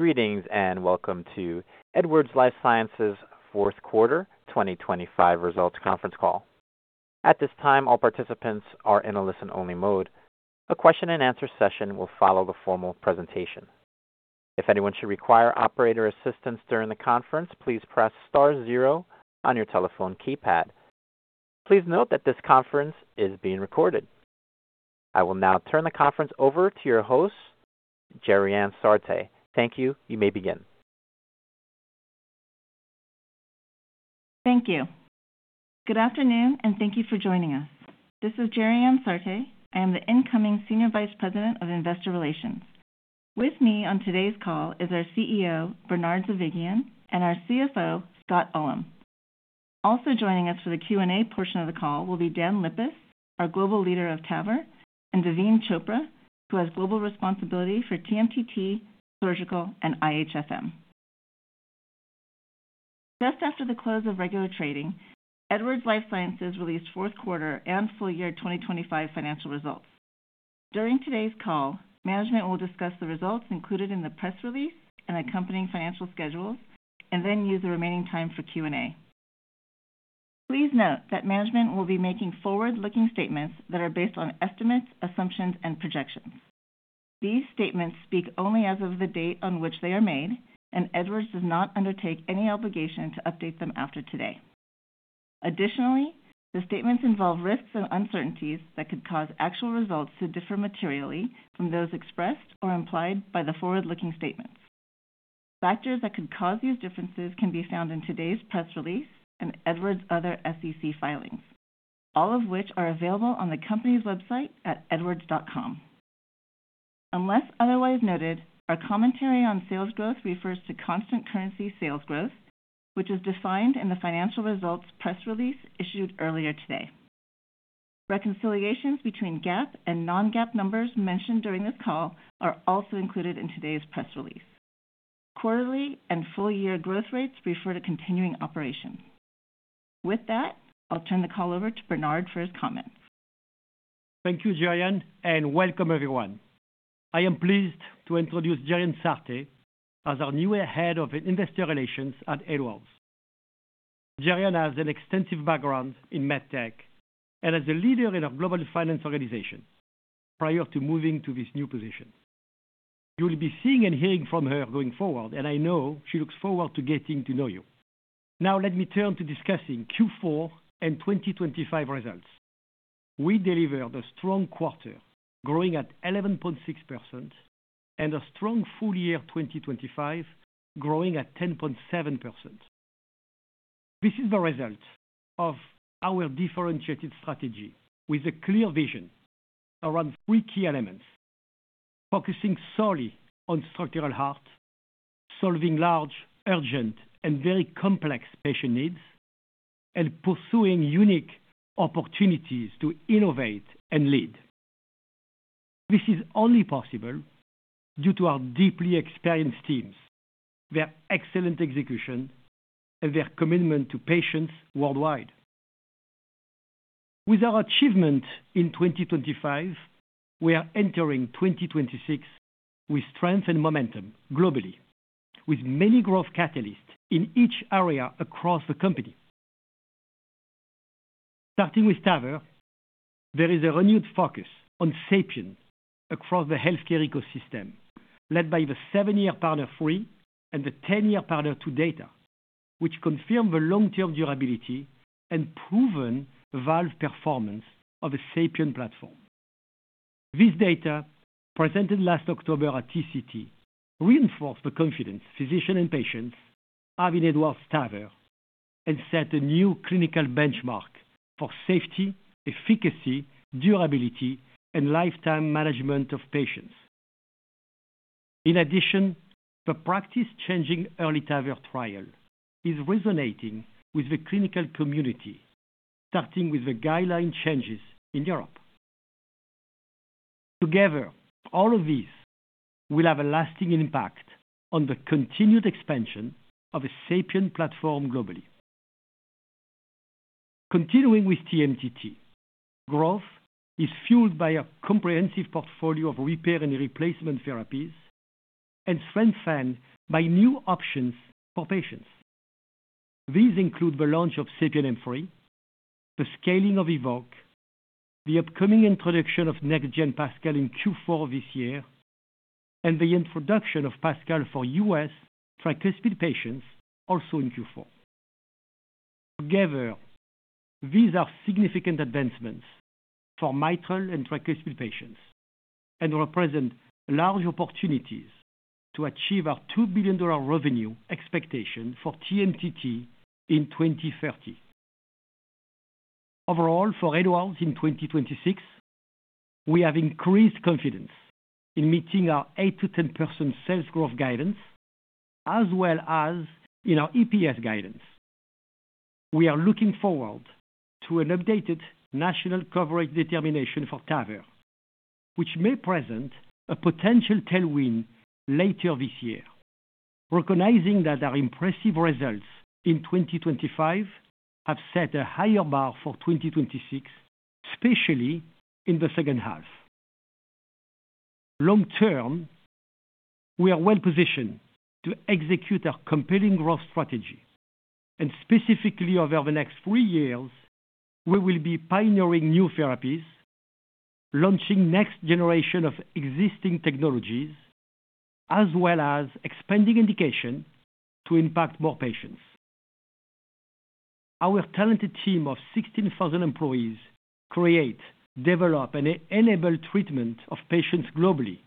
Greetings and welcome to Edwards Lifesciences fourth quarter 2025 results conference call. At this time, all participants are in a listen-only mode. A question-and-answer session will follow the formal presentation. If anyone should require operator assistance during the conference, please press star zero on your telephone keypad. Please note that this conference is being recorded. I will now turn the conference over to your host, Gerianne Sarte. Thank you. You may begin. Thank you. Good afternoon and thank you for joining us. This is Gerianne Sarte. I am the incoming Senior Vice President of Investor Relations. With me on today's call is our CEO, Bernard Zovighian, and our CFO, Scott Ullem. Also joining us for the Q&A portion of the call will be Dan Lippis, our global leader of TAVR, and Daveen Chopra, who has global responsibility for TMTT, Surgical, and IHFM. Just after the close of regular trading, Edwards Lifesciences released fourth quarter and full year 2025 financial results. During today's call, management will discuss the results included in the press release and accompanying financial schedules, and then use the remaining time for Q&A. Please note that management will be making forward-looking statements that are based on estimates, assumptions, and projections. These statements speak only as of the date on which they are made, and Edwards does not undertake any obligation to update them after today. Additionally, the statements involve risks and uncertainties that could cause actual results to differ materially from those expressed or implied by the forward-looking statements. Factors that could cause these differences can be found in today's press release and Edwards' other SEC filings, all of which are available on the company's website at edwards.com. Unless otherwise noted, our commentary on sales growth refers to constant currency sales growth, which is defined in the financial results press release issued earlier today. Reconciliations between GAAP and non-GAAP numbers mentioned during this call are also included in today's press release. Quarterly and full-year growth rates refer to continuing operations. With that, I'll turn the call over to Bernard for his comments. Thank you, Gerianne, and welcome everyone. I am pleased to introduce Gerianne Sarte as our new head of Investor Relations at Edwards. Gerianne has an extensive background in MedTech and as a leader in our global finance organization prior to moving to this new position. You'll be seeing and hearing from her going forward, and I know she looks forward to getting to know you. Now let me turn to discussing Q4 and 2025 results. We delivered a strong quarter growing at 11.6% and a strong full year 2025 growing at 10.7%. This is the result of our differentiated strategy with a clear vision around three key elements, focusing solely on Structural Heart, solving large, urgent, and very complex patient needs, and pursuing unique opportunities to innovate and lead. This is only possible due to our deeply experienced teams, their excellent execution, and their commitment to patients worldwide. With our achievement in 2025, we are entering 2026 with strength and momentum globally, with many growth catalysts in each area across the company. Starting with TAVR, there is a renewed focus on SAPIEN across the healthcare ecosystem, led by the seven-year PARTNER 3 and the ten-year PARTNER 2 data, which confirm the long-term durability and proven valve performance of a SAPIEN platform. This data, presented last October at TCT, reinforced the confidence physicians and patients have in Edwards TAVR and set a new clinical benchmark for safety, efficacy, durability, and lifetime management of patients. In addition, the practice-changing EARLY TAVR trial is resonating with the clinical community, starting with the guideline changes in Europe. Together, all of these will have a lasting impact on the continued expansion of a SAPIEN platform globally. Continuing with TMTT, growth is fueled by a comprehensive portfolio of repair and replacement therapies and strengthened by new options for patients. These include the launch of SAPIEN M3, the scaling of EVOQUE, the upcoming introduction of next-gen PASCAL in Q4 of this year, and the introduction of PASCAL for U.S. tricuspid patients also in Q4. Together, these are significant advancements for mitral and tricuspid patients and represent large opportunities to achieve our $2 billion revenue expectation for TMTT in 2030. Overall, for Edwards in 2026, we have increased confidence in meeting our 8%-10% sales growth guidance as well as in our EPS guidance. We are looking forward to an updated national coverage determination for TAVR, which may present a potential tailwind later this year, recognizing that our impressive results in 2025 have set a higher bar for 2026, especially in the second half. Long term, we are well positioned to execute our compelling growth strategy, and specifically over the next three years, we will be pioneering new therapies, launching next generation of existing technologies, as well as expanding indication to impact more patients. Our talented team of 16,000 employees create, develop, and enable treatment of patients globally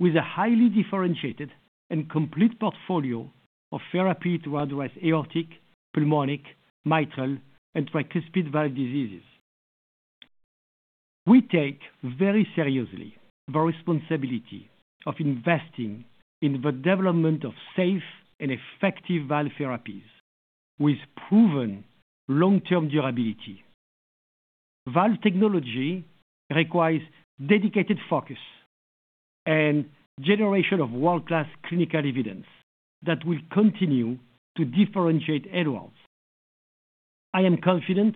with a highly differentiated and complete portfolio of therapies to address aortic, pulmonic, mitral, and tricuspid valve diseases. We take very seriously the responsibility of investing in the development of safe and effective valve therapies with proven long-term durability. Valve technology requires dedicated focus and generation of world-class clinical evidence that will continue to differentiate Edwards. I am confident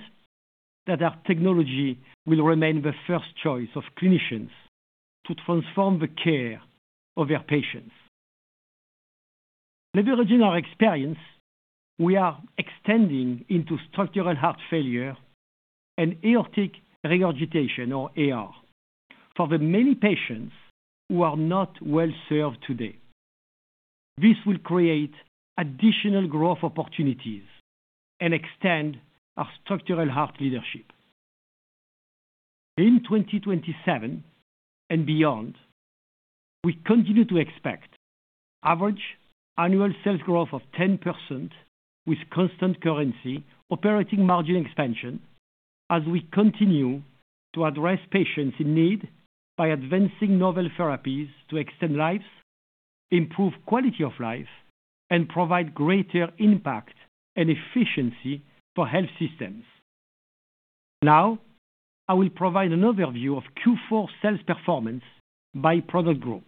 that our technology will remain the first choice of clinicians to transform the care of their patients. Leveraging our experience, we are extending into structural heart failure and aortic regurgitation, or AR, for the many patients who are not well served today. This will create additional growth opportunities and extend our structural heart leadership. In 2027 and beyond, we continue to expect average annual sales growth of 10% with constant currency operating margin expansion as we continue to address patients in need by advancing novel therapies to extend lives, improve quality of life, and provide greater impact and efficiency for health systems. Now, I will provide an overview of Q4 sales performance by product group.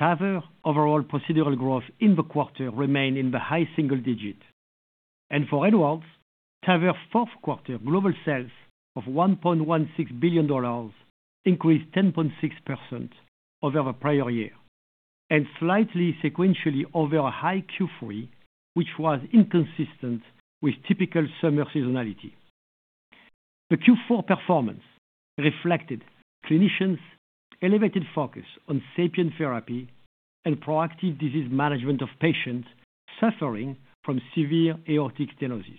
TAVR overall procedural growth in the quarter remained in the high single digit, and for Edwards, TAVR fourth quarter global sales of $1.16 billion increased 10.6% over the prior year and slightly sequentially over a high Q3, which was inconsistent with typical summer seasonality. The Q4 performance reflected clinicians' elevated focus on SAPIEN therapy and proactive disease management of patients suffering from severe aortic stenosis.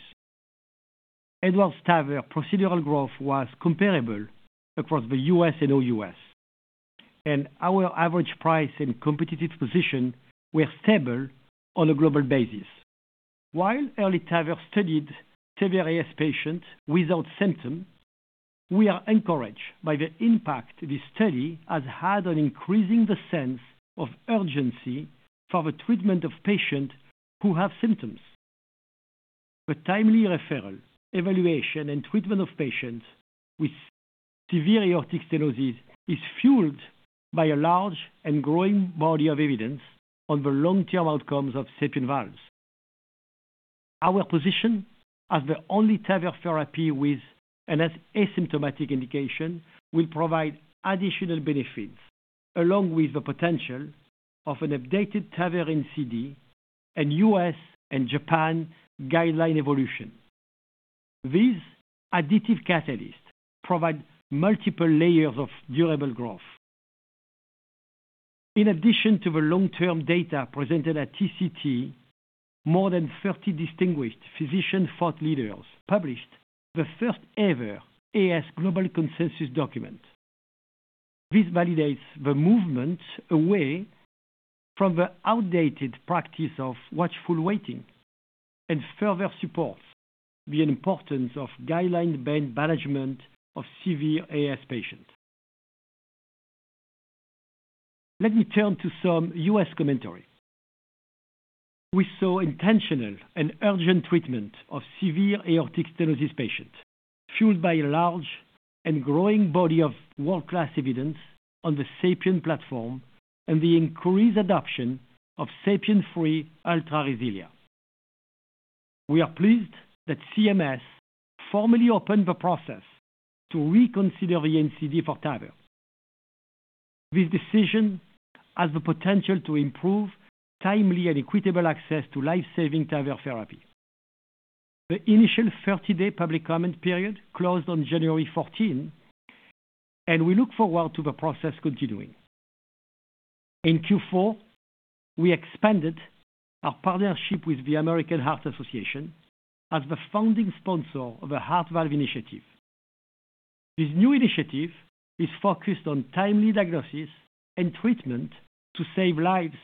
Edwards TAVR procedural growth was comparable across the U.S. and OUS, and our average price and competitive position were stable on a global basis. While EARLY TAVR studied TAVR AS patients without symptoms, we are encouraged by the impact this study has had on increasing the sense of urgency for the treatment of patients who have symptoms. The timely referral, evaluation, and treatment of patients with severe aortic stenosis is fueled by a large and growing body of evidence on the long-term outcomes of SAPIEN valves. Our position as the only TAVR therapy with an asymptomatic indication will provide additional benefits, along with the potential of an updated TAVR NCD and U.S. and Japan guideline evolution. These additive catalysts provide multiple layers of durable growth. In addition to the long-term data presented at TCT, more than 30 distinguished physician thought leaders published the first-ever AS global consensus document. This validates the movement away from the outdated practice of watchful waiting and further supports the importance of guideline-based management of severe AS patients. Let me turn to some U.S. commentary. We saw intentional and urgent treatment of severe aortic stenosis patients fueled by a large and growing body of world-class evidence on the SAPIEN platform and the increased adoption of SAPIEN 3 Ultra RESILIA. We are pleased that CMS formally opened the process to reconsider the NCD for TAVR. This decision has the potential to improve timely and equitable access to life-saving TAVR therapy. The initial 30-day public comment period closed on January 14, and we look forward to the process continuing. In Q4, we expanded our partnership with the American Heart Association as the founding sponsor of a heart valve initiative. This new initiative is focused on timely diagnosis and treatment to save lives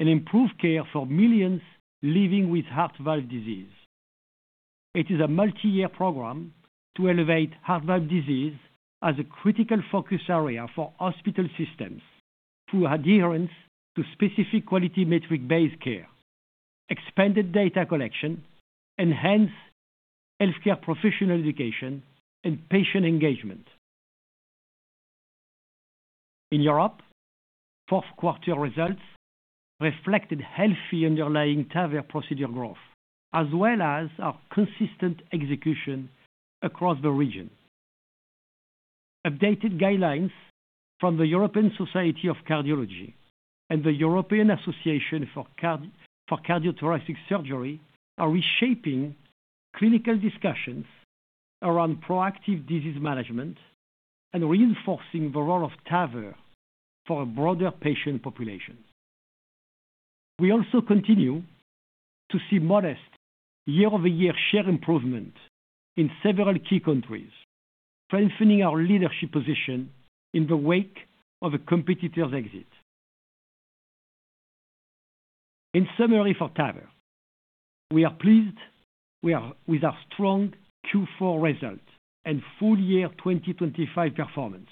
and improve care for millions living with heart valve disease. It is a multi-year program to elevate heart valve disease as a critical focus area for hospital systems through adherence to specific quality metric-based care, expanded data collection, and hence healthcare professional education and patient engagement. In Europe, fourth quarter results reflected healthy underlying TAVR procedure growth as well as our consistent execution across the region. Updated guidelines from the European Society of Cardiology and the European Association for Cardiothoracic Surgery are reshaping clinical discussions around proactive disease management and reinforcing the role of TAVR for a broader patient population. We also continue to see modest year-over-year share improvement in several key countries, strengthening our leadership position in the wake of a competitor's exit. In summary for TAVR, we are pleased with our strong Q4 result and full year 2025 performance.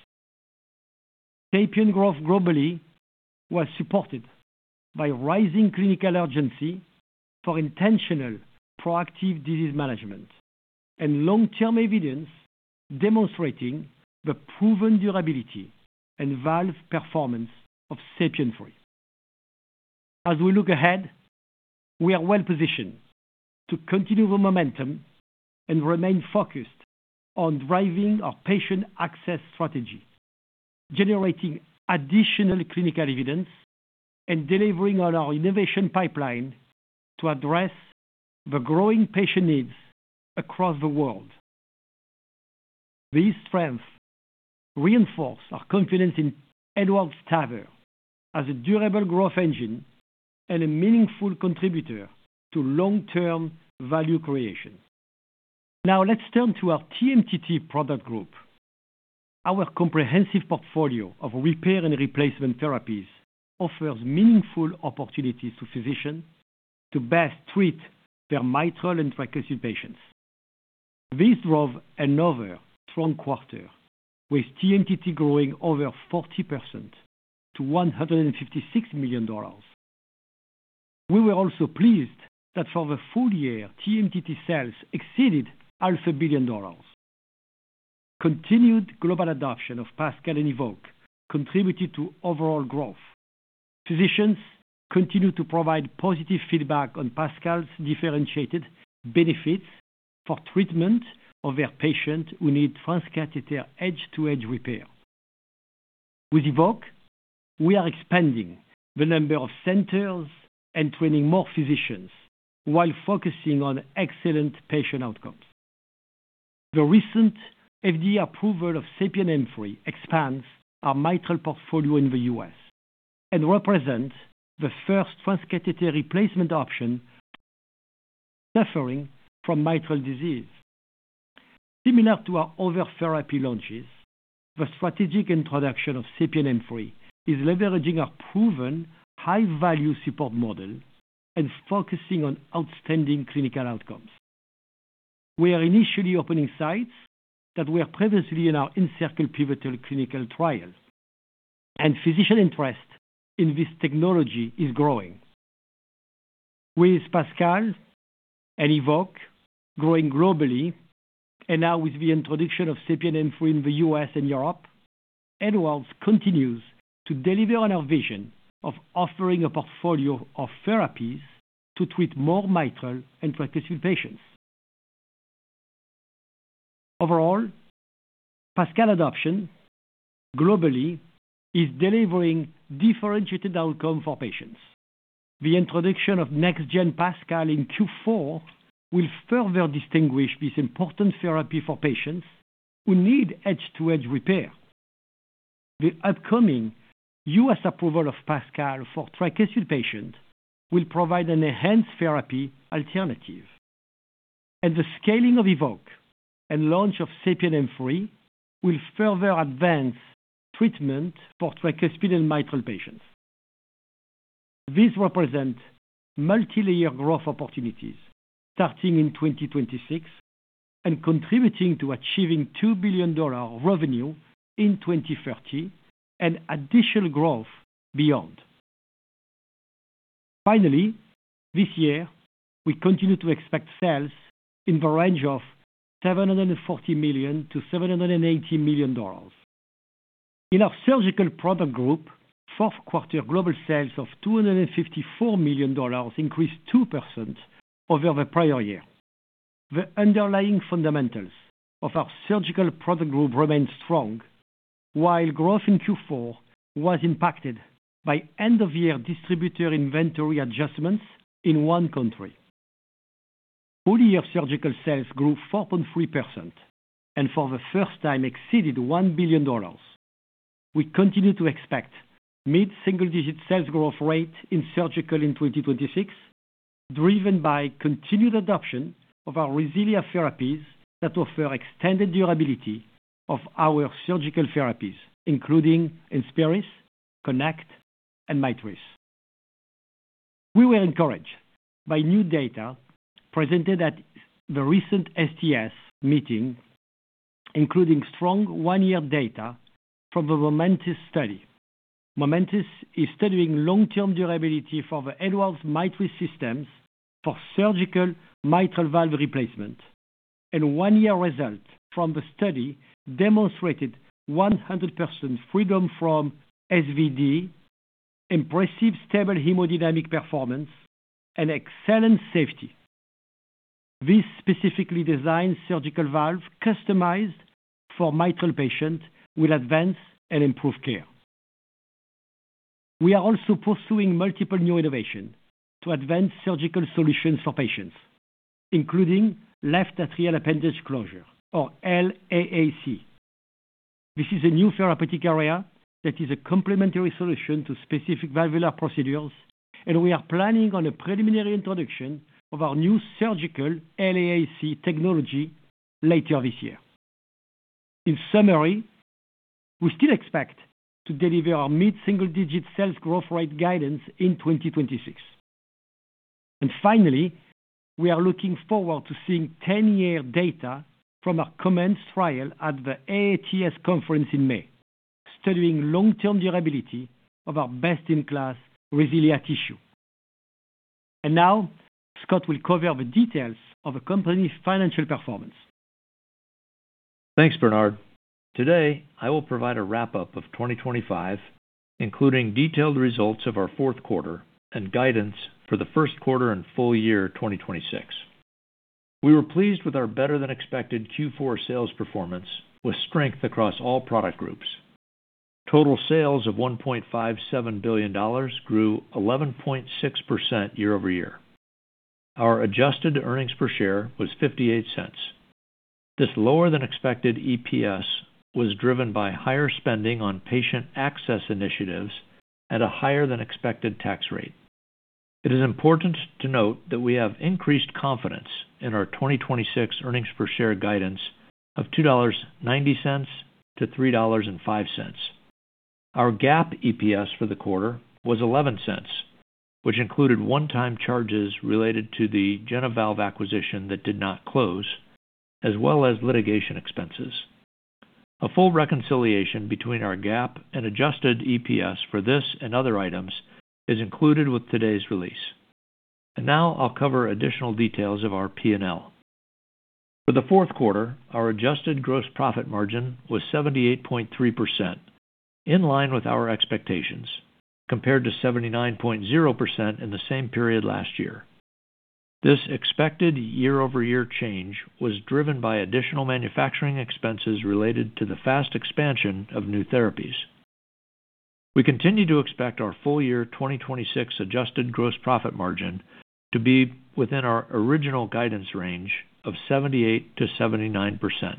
SAPIEN growth globally was supported by rising clinical urgency for intentional proactive disease management and long-term evidence demonstrating the proven durability and valve performance of SAPIEN 3. As we look ahead, we are well positioned to continue the momentum and remain focused on driving our patient access strategy, generating additional clinical evidence, and delivering on our innovation pipeline to address the growing patient needs across the world. This strength reinforces our confidence in Edwards TAVR as a durable growth engine and a meaningful contributor to long-term value creation. Now let's turn to our TMTT product group. Our comprehensive portfolio of repair and replacement therapies offers meaningful opportunities to physicians to best treat their mitral and tricuspid patients. This drove another strong quarter, with TMTT growing over 40% to $156 million. We were also pleased that for the full year, TMTT sales exceeded $1 billion. Continued global adoption of PASCAL and EVOQUE contributed to overall growth. Physicians continue to provide positive feedback on PASCAL's differentiated benefits for treatment of their patients who need transcatheter edge-to-edge repair. With EVOQUE, we are expanding the number of centers and training more physicians while focusing on excellent patient outcomes. The recent FDA approval of SAPIEN M3 expands our mitral portfolio in the U.S. and represents the first transcatheter replacement option for suffering from mitral disease. Similar to our other therapy launches, the strategic introduction of SAPIEN M3 is leveraging our proven high-value support model and focusing on outstanding clinical outcomes. We are initially opening sites that were previously in our ENCIRCLE pivotal clinical trial, and physician interest in this technology is growing. With PASCAL and EVOQUE growing globally and now with the introduction of SAPIEN M3 in the U.S. and Europe, Edwards continues to deliver on our vision of offering a portfolio of therapies to treat more mitral and tricuspid patients. Overall, PASCAL adoption globally is delivering differentiated outcomes for patients. The introduction of next-gen PASCAL in Q4 will further distinguish this important therapy for patients who need edge-to-edge repair. The upcoming U.S. approval of PASCAL for tricuspid patients will provide an enhanced therapy alternative, and the scaling of EVOQUE and launch of SAPIEN M3 will further advance treatment for tricuspid and mitral patients. This represents multi-layer growth opportunities starting in 2026 and contributing to achieving $2 billion revenue in 2030 and additional growth beyond. Finally, this year, we continue to expect sales in the range of $740 million-$780 million. In our surgical product group, fourth quarter global sales of $254 million increased 2% over the prior year. The underlying fundamentals of our surgical product group remain strong, while growth in Q4 was impacted by end-of-year distributor inventory adjustments in one country. Full year surgical sales grew 4.3% and for the first time exceeded $1 billion. We continue to expect mid-single digit sales growth rate in Surgical in 2026, driven by continued adoption of our RESILIA therapies that offer extended durability of our surgical therapies, including INSPIRIS, KONECT, and MITRIS. We were encouraged by new data presented at the recent STS meeting, including strong one-year data from the MOMENTIS study. MOMENTIS is studying long-term durability for the Edwards MITRIS systems for surgical mitral valve replacement, and one-year results from the study demonstrated 100% freedom from SVD, impressive stable hemodynamic performance, and excellent safety. This specifically designed surgical valve is customized for mitral patients with advanced and improved care. We are also pursuing multiple new innovations to advance surgical solutions for patients, including left atrial appendage closure, or LAAC. This is a new therapeutic area that is a complementary solution to specific valvular procedures, and we are planning on a preliminary introduction of our new surgical LAAC technology later this year. In summary, we still expect to deliver our mid-single digit sales growth rate guidance in 2026. Finally, we are looking forward to seeing 10-year data from our COMMENCE trial at the AATS conference in May, studying long-term durability of our best-in-class RESILIA tissue. Now, Scott will cover the details of the company's financial performance. Thanks, Bernard. Today, I will provide a wrap-up of 2025, including detailed results of our fourth quarter and guidance for the first quarter and full year 2026. We were pleased with our better-than-expected Q4 sales performance, with strength across all product groups. Total sales of $1.57 billion grew 11.6% year-over-year. Our adjusted earnings per share was $0.58. This lower-than-expected EPS was driven by higher spending on patient access initiatives and a higher-than-expected tax rate. It is important to note that we have increased confidence in our 2026 earnings per share guidance of $2.90-$3.05. Our GAAP EPS for the quarter was $0.11, which included one-time charges related to the JenaValve acquisition that did not close, as well as litigation expenses. A full reconciliation between our GAAP and adjusted EPS for this and other items is included with today's release. And now I'll cover additional details of our P&L. For the fourth quarter, our adjusted gross profit margin was 78.3%, in line with our expectations, compared to 79.0% in the same period last year. This expected year-over-year change was driven by additional manufacturing expenses related to the fast expansion of new therapies. We continue to expect our full year 2026 adjusted gross profit margin to be within our original guidance range of 78%-79%.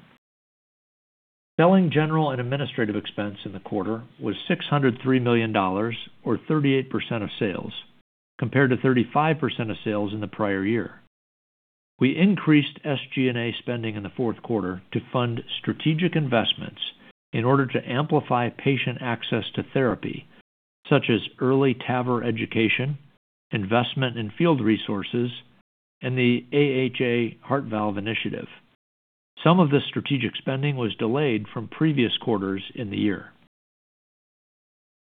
Selling general and administrative expense in the quarter was $603 million, or 38% of sales, compared to 35% of sales in the prior year. We increased SG&A spending in the fourth quarter to fund strategic investments in order to amplify patient access to therapy, such as EARLY TAVR education, investment in field resources, and the AHA Heart Valve Initiative. Some of this strategic spending was delayed from previous quarters in the year.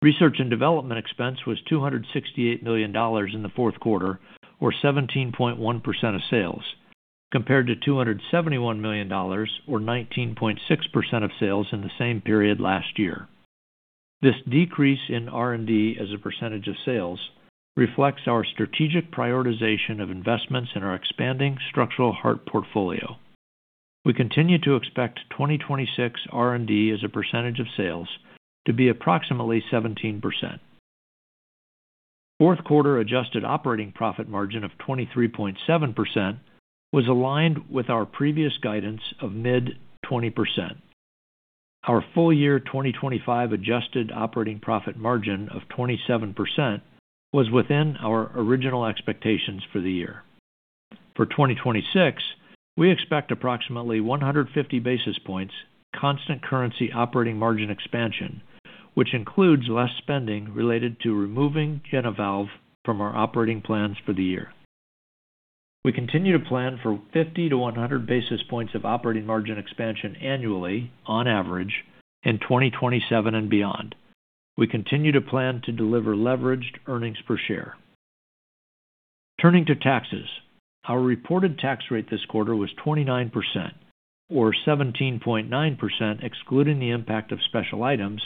Research and development expense was $268 million in the fourth quarter, or 17.1% of sales, compared to $271 million, or 19.6% of sales in the same period last year. This decrease in R&D as a percentage of sales reflects our strategic prioritization of investments in our expanding structural heart portfolio. We continue to expect 2026 R&D as a percentage of sales to be approximately 17%. Fourth quarter adjusted operating profit margin of 23.7% was aligned with our previous guidance of mid-20%. Our full year 2025 adjusted operating profit margin of 27% was within our original expectations for the year. For 2026, we expect approximately 150 basis points constant currency operating margin expansion, which includes less spending related to removing JenaValve from our operating plans for the year. We continue to plan for 50 to 100 basis points of operating margin expansion annually, on average, in 2027 and beyond. We continue to plan to deliver leveraged earnings per share. Turning to taxes, our reported tax rate this quarter was 29%, or 17.9% excluding the impact of special items,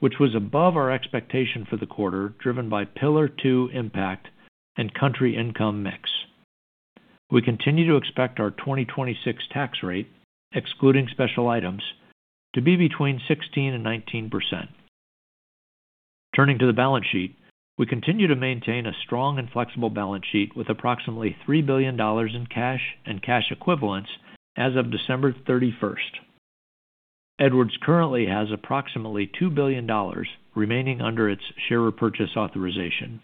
which was above our expectation for the quarter driven by Pillar Two impact and country income mix. We continue to expect our 2026 tax rate, excluding special items, to be between 16% and 19%. Turning to the balance sheet, we continue to maintain a strong and flexible balance sheet with approximately $3 billion in cash and cash equivalents as of December 31st. Edwards currently has approximately $2 billion remaining under its share repurchase authorization.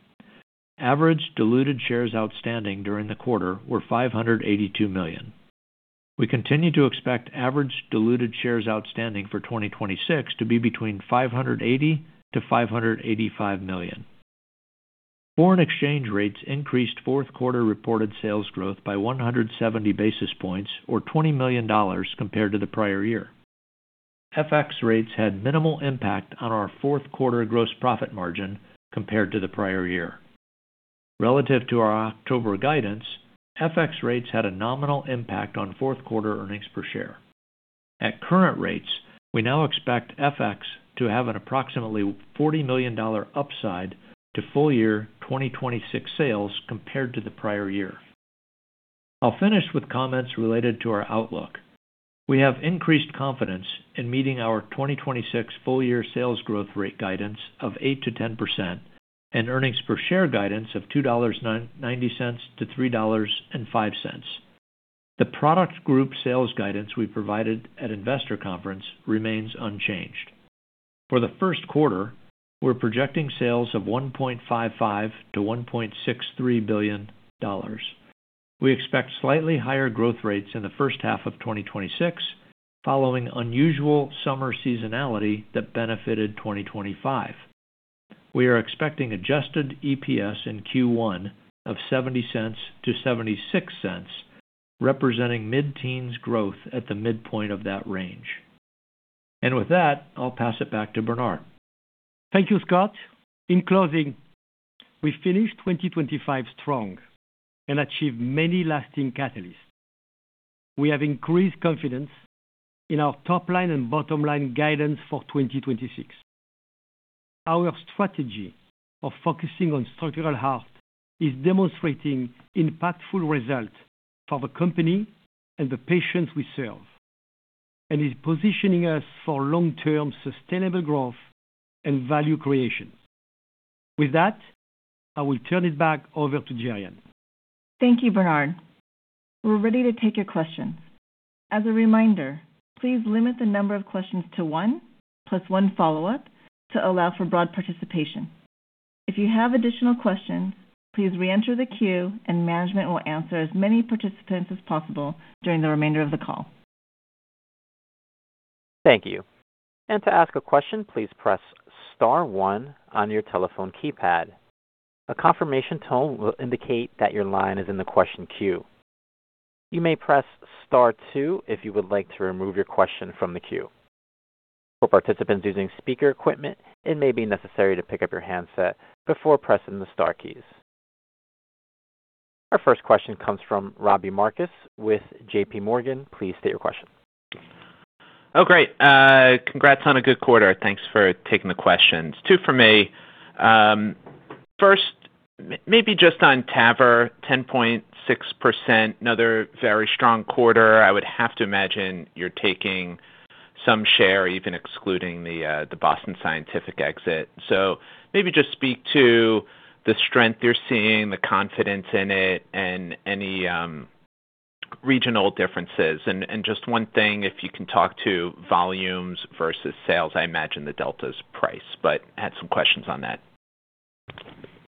Average diluted shares outstanding during the quarter were 582 million. We continue to expect average diluted shares outstanding for 2026 to be between 580 million to 585 million. Foreign exchange rates increased fourth quarter reported sales growth by 170 basis points, or $20 million, compared to the prior year. FX rates had minimal impact on our fourth quarter gross profit margin compared to the prior year. Relative to our October guidance, FX rates had a nominal impact on fourth quarter earnings per share. At current rates, we now expect FX to have an approximately $40 million upside to full year 2026 sales compared to the prior year. I'll finish with comments related to our outlook. We have increased confidence in meeting our 2026 full year sales growth rate guidance of 8%-10% and earnings per share guidance of $2.90-$3.05. The product group sales guidance we provided at investor conference remains unchanged. For the first quarter, we're projecting sales of $1.55 billion-$1.63 billion. We expect slightly higher growth rates in the first half of 2026, following unusual summer seasonality that benefited 2025. We are expecting adjusted EPS in Q1 of $0.70-$0.76, representing mid-teens growth at the midpoint of that range. With that, I'll pass it back to Bernard. Thank you, Scott. In closing, we finished 2025 strong and achieved many lasting catalysts. We have increased confidence in our top-line and bottom-line guidance for 2026. Our strategy of focusing on Structural Heart is demonstrating impactful results for the company and the patients we serve, and is positioning us for long-term sustainable growth and value creation. With that, I will turn it back over to Gerianne. Thank you, Bernard. We're ready to take your questions. As a reminder, please limit the number of questions to one plus one follow-up to allow for broad participation. If you have additional questions, please reenter the queue and management will answer as many participants as possible during the remainder of the call. Thank you. To ask a question, please press star one on your telephone keypad. A confirmation tone will indicate that your line is in the question queue. You may press star two if you would like to remove your question from the queue. For participants using speaker equipment, it may be necessary to pick up your handset before pressing the star keys. Our first question comes from Robbie Marcus with JPMorgan. Please state your question. Oh, great. Congrats on a good quarter. Thanks for taking the questions. Two for me. First, maybe just on TAVR, 10.6%, another very strong quarter. I would have to imagine you're taking some share, even excluding the Boston Scientific exit. So maybe just speak to the strength you're seeing, the confidence in it, and any regional differences. And just one thing, if you can talk to volumes versus sales, I imagine the delta is price, but I had some questions on that.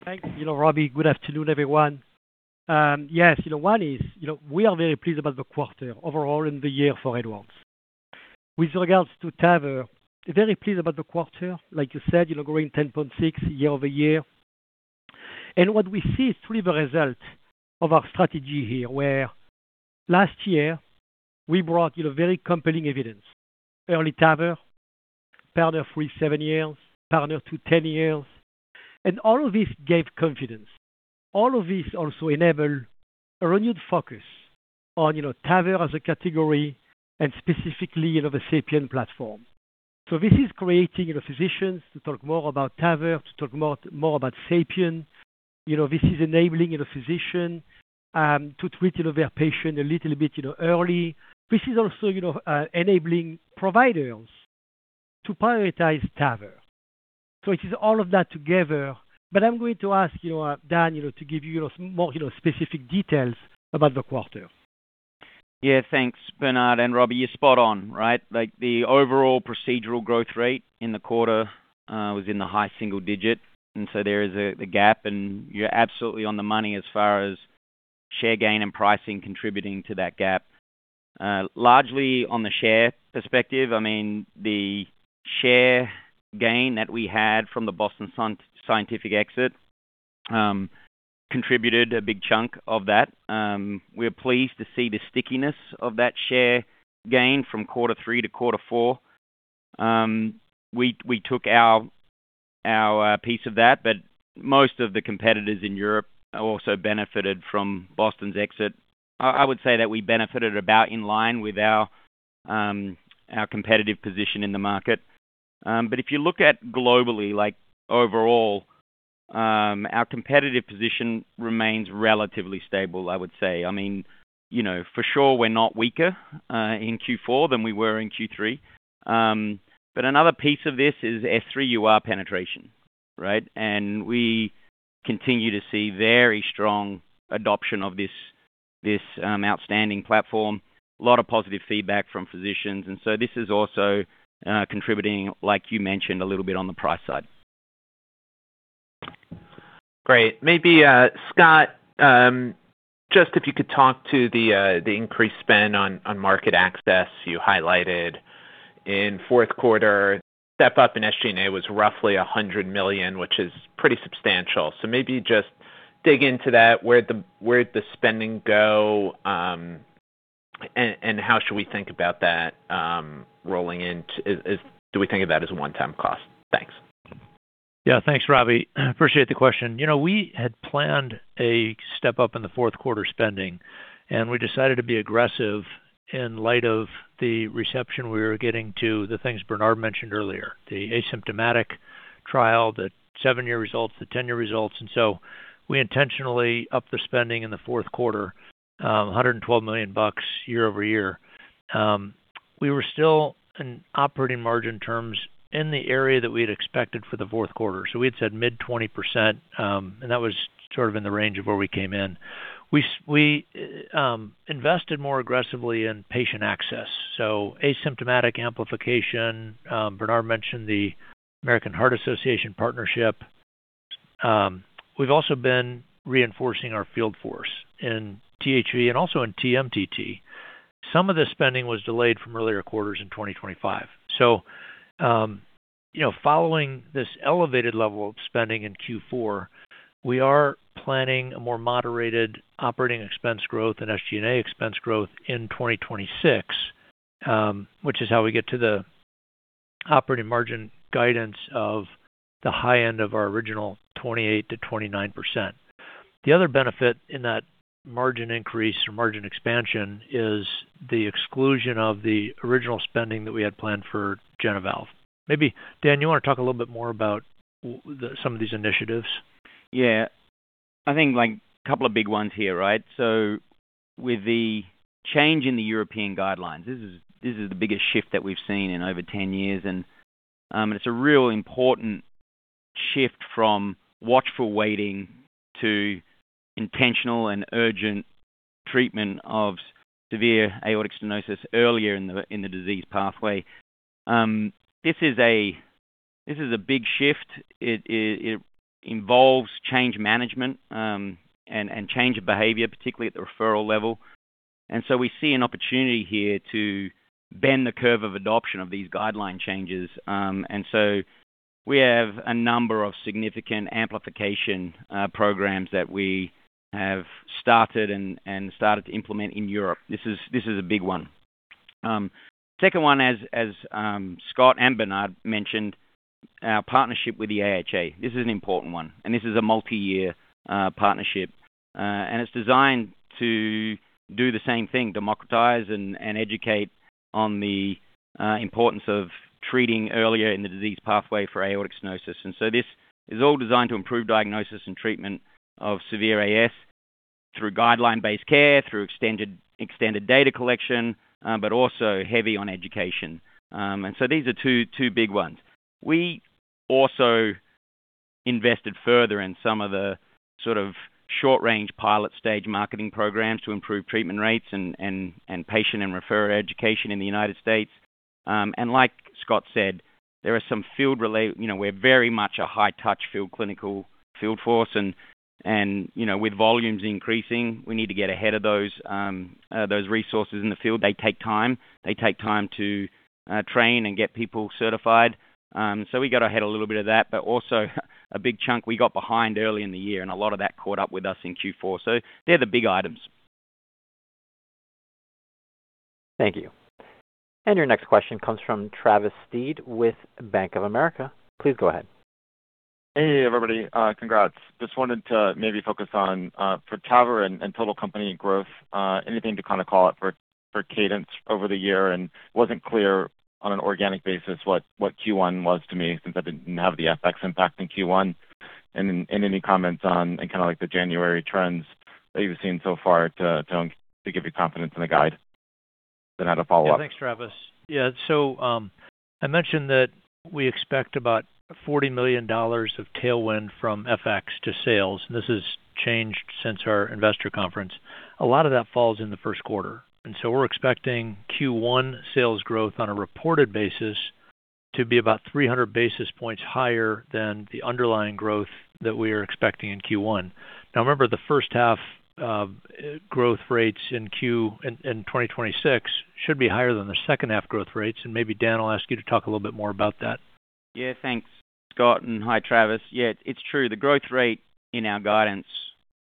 Thanks. Robbie, good afternoon, everyone. Yes, one is we are very pleased about the quarter overall and the year for Edwards. With regards to TAVR, very pleased about the quarter, like you said, growing 10.6% year-over-year. What we see is truly the result of our strategy here, where last year we brought very compelling evidence: EARLY TAVR, PARTNER 3 seven-year, PARTNER 2 10-year. All of this gave confidence. All of this also enabled a renewed focus on TAVR as a category and specifically the SAPIEN platform. So this is creating physicians to talk more about TAVR, to talk more about SAPIEN. This is enabling a physician to treat their patient a little bit early. This is also enabling providers to prioritize TAVR. So it is all of that together. But I'm going to ask Dan to give you more specific details about the quarter. Yeah, thanks, Bernard. And Robbie, you're spot on, right? The overall procedural growth rate in the quarter was in the high single digit, and so there is a gap. You're absolutely on the money as far as share gain and pricing contributing to that gap. Largely on the share perspective, I mean, the share gain that we had from the Boston Scientific exit contributed a big chunk of that. We're pleased to see the stickiness of that share gain from quarter three to quarter four. We took our piece of that, but most of the competitors in Europe also benefited from Boston's exit. I would say that we benefited about in line with our competitive position in the market. But if you look at globally, overall, our competitive position remains relatively stable, I would say. I mean, for sure, we're not weaker in Q4 than we were in Q3. But another piece of this is S3 UR penetration, right? And we continue to see very strong adoption of this outstanding platform, a lot of positive feedback from physicians. And so this is also contributing, like you mentioned, a little bit on the price side. Great. Maybe, Scott, just if you could talk to the increased spend on market access you highlighted. In fourth quarter, step-up in SG&A was roughly $100 million, which is pretty substantial. So maybe just dig into that. Where'd the spending go, and how should we think about that rolling in? Do we think of that as a one-time cost? Thanks. Yeah, thanks, Robbie. Appreciate the question. We had planned a step-up in the fourth quarter spending, and we decided to be aggressive in light of the reception we were getting to the things Bernard mentioned earlier, the asymptomatic trial, the seven-year results, the 10-year results. We intentionally upped the spending in the fourth quarter, $112 million year-over-year. We were still in operating margin terms in the area that we had expected for the fourth quarter. We had said mid-20%, and that was sort of in the range of where we came in. We invested more aggressively in patient access, so asymptomatic amplification. Bernard mentioned the American Heart Association partnership. We've also been reinforcing our field force in THV and also in TMTT. Some of this spending was delayed from earlier quarters in 2025. Following this elevated level of spending in Q4, we are planning a more moderated operating expense growth and SG&A expense growth in 2026, which is how we get to the operating margin guidance of the high end of our original 28%-29%. The other benefit in that margin increase or margin expansion is the exclusion of the original spending that we had planned for JenaValve. Maybe, Dan, you want to talk a little bit more about some of these initiatives? Yeah. I think a couple of big ones here, right? So with the change in the European guidelines, this is the biggest shift that we've seen in over 10 years. And it's a real important shift from watchful waiting to intentional and urgent treatment of severe aortic stenosis earlier in the disease pathway. This is a big shift. It involves change management and change of behavior, particularly at the referral level. And so we see an opportunity here to bend the curve of adoption of these guideline changes. And so we have a number of significant amplification programs that we have started to implement in Europe. This is a big one. Second one, as Scott and Bernard mentioned, our partnership with the AHA. This is an important one, and this is a multi-year partnership. It's designed to do the same thing, democratize and educate on the importance of treating earlier in the disease pathway for aortic stenosis. This is all designed to improve diagnosis and treatment of severe AS through guideline-based care, through extended data collection, but also heavy on education. These are two big ones. We also invested further in some of the sort of short-range pilot stage marketing programs to improve treatment rates and patient and referrer education in the United States. Like Scott said, there are some field-related we're very much a high-touch field clinical field force. With volumes increasing, we need to get ahead of those resources in the field. They take time. They take time to train and get people certified. So we got ahead a little bit of that, but also a big chunk we got behind early in the year, and a lot of that caught up with us in Q4. So they're the big items. Thank you. And your next question comes from Travis Steed with Bank of America. Please go ahead. Hey, everybody. Congrats. Just wanted to maybe focus on for TAVR and total company growth, anything to kind of call it for cadence over the year. And wasn't clear on an organic basis what Q1 was to me since I didn't have the FX impact in Q1. And any comments on kind of the January trends that you've seen so far to give you confidence in the guide and how to follow up? Yeah, thanks, Travis. Yeah, so I mentioned that we expect about $40 million of tailwind from FX to sales. And this has changed since our investor conference. A lot of that falls in the first quarter. And so we're expecting Q1 sales growth on a reported basis to be about 300 basis points higher than the underlying growth that we are expecting in Q1. Now, remember, the first-half growth rates in 2026 should be higher than the second-half growth rates. And maybe Dan will ask you to talk a little bit more about that. Yeah, thanks, Scott, and hi, Travis. Yeah, it's true. The growth rate in our guidance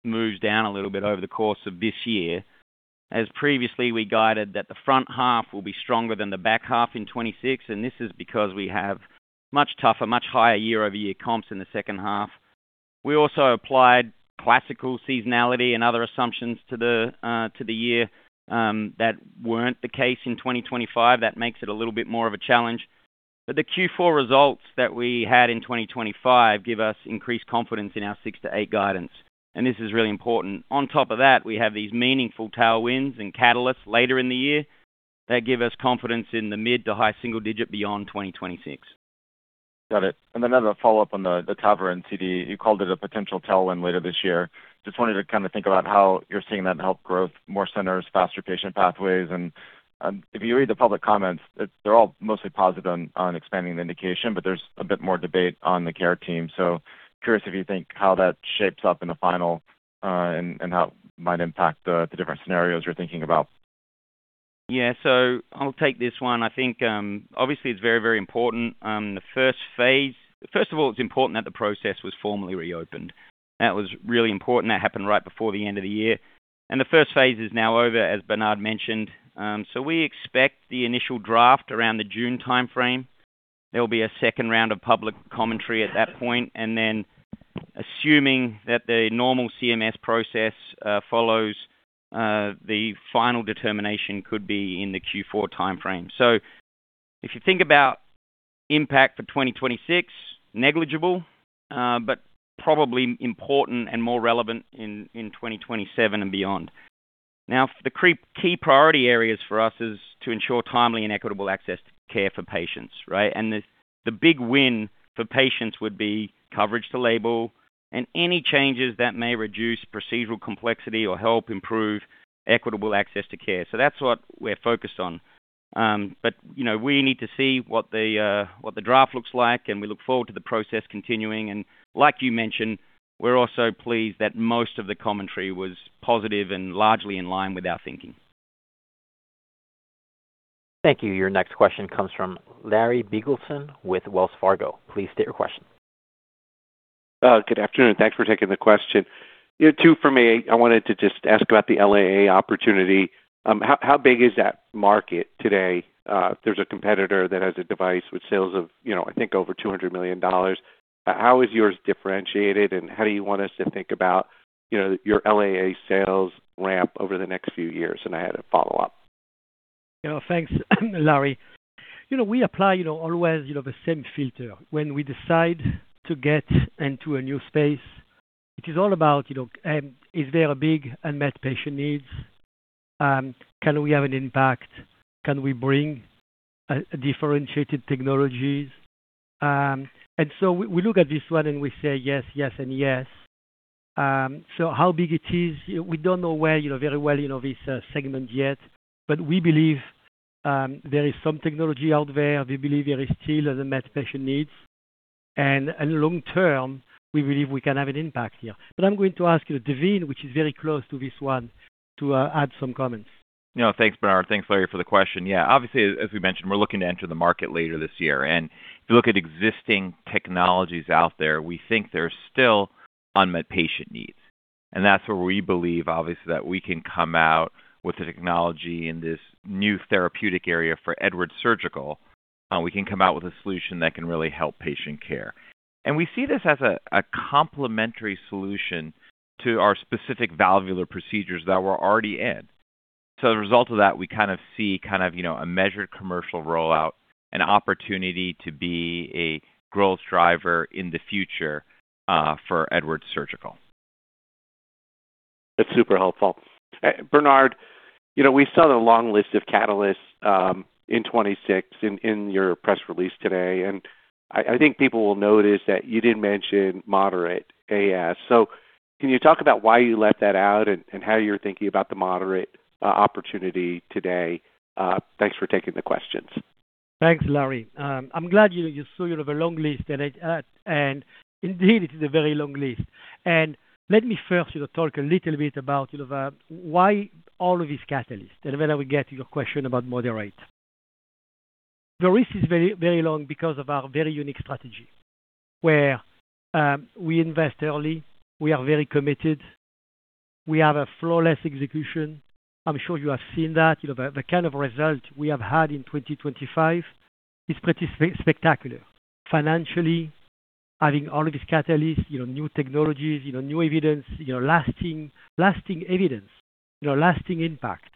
moves down a little bit over the course of this year, as previously we guided that the front half will be stronger than the back half in 2026. And this is because we have much tougher, much higher year-over-year comps in the second half. We also applied classical seasonality and other assumptions to the year that weren't the case in 2025. That makes it a little bit more of a challenge. But the Q4 results that we had in 2025 give us increased confidence in our six to eight guidance. And this is really important. On top of that, we have these meaningful tailwinds and catalysts later in the year. That give us confidence in the mid-to-high single-digit beyond 2026. Got it. And another follow-up on the TAVR NCD. You called it a potential tailwind later this year. Just wanted to kind of think about how you're seeing that help growth more centers, faster patient pathways. And if you read the public comments, they're all mostly positive on expanding the indication, but there's a bit more debate on the care team. So curious if you think how that shapes up in the final and how it might impact the different scenarios you're thinking about. Yeah, so I'll take this one. I think, obviously, it's very, very important. The first phase first of all, it's important that the process was formally reopened. That was really important. That happened right before the end of the year. The first phase is now over, as Bernard mentioned. So we expect the initial draft around the June timeframe. There'll be a second round of public commentary at that point. And then assuming that the normal CMS process follows, the final determination could be in the Q4 timeframe. So if you think about impact for 2026, negligible, but probably important and more relevant in 2027 and beyond. Now, the key priority areas for us is to ensure timely and equitable access to care for patients, right? The big win for patients would be coverage to label and any changes that may reduce procedural complexity or help improve equitable access to care. So that's what we're focused on. But we need to see what the draft looks like, and we look forward to the process continuing. And like you mentioned, we're also pleased that most of the commentary was positive and largely in line with our thinking. Thank you. Your next question comes from Larry Biegelsen with Wells Fargo. Please state your question. Good afternoon. Thanks for taking the question. Two from me. I wanted to just ask about the LAA opportunity. How big is that market today? There's a competitor that has a device with sales of, I think, over $200 million. How is yours differentiated, and how do you want us to think about your LAA sales ramp over the next few years? I had a follow-up. Yeah, thanks, Larry. We apply always the same filter. When we decide to get into a new space, it is all about, is there a big unmet patient needs? Can we have an impact? Can we bring differentiated technologies? And so we look at this one, and we say yes, yes, and yes. So how big it is, we don't know very well this segment yet. But we believe there is some technology out there. We believe there is still unmet patient needs. And long term, we believe we can have an impact here. But I'm going to ask Daveen, which is very close to this one, to add some comments. Yeah, thanks, Bernard. Thanks, Larry, for the question. Yeah, obviously, as we mentioned, we're looking to enter the market later this year. If you look at existing technologies out there, we think there's still unmet patient needs. That's where we believe, obviously, that we can come out with a technology in this new therapeutic area for Edwards Surgical. We can come out with a solution that can really help patient care. We see this as a complementary solution to our specific valvular procedures that we're already in. As a result of that, we kind of see kind of a measured commercial rollout, an opportunity to be a growth driver in the future for Edwards Surgical. That's super helpful. Bernard, we saw the long list of catalysts in 2026 in your press release today. I think people will notice that you didn't mention moderate AS. Can you talk about why you left that out and how you're thinking about the moderate opportunity today? Thanks for taking the questions. Thanks, Larry. I'm glad you saw a long list. Indeed, it is a very long list. Let me first talk a little bit about why all of these catalysts, and then we get to your question about moderate. The list is very long because of our very unique strategy where we invest early. We are very committed. We have a flawless execution. I'm sure you have seen that. The kind of result we have had in 2025 is pretty spectacular, financially, having all of these catalysts, new technologies, new evidence, lasting evidence, lasting impact.